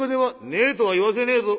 「ねえとは言わせねえぞ！」。